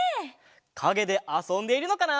かげであそんでいるのかな？